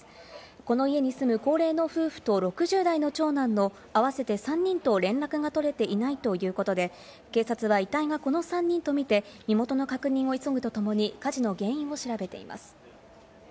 この家に住む高齢の夫婦と６０代の長男の合わせて３人と連絡が取れていないということで、警察は遺体がこの３人とみて身元の確認を急ぐとともに火事の原因を調べています。